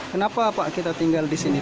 kenapa pak kita tinggal di sini